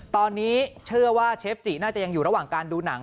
ตอนนี้เชื่อว่าเชฟจิน่าจะยังอยู่ระหว่างการดูหนัง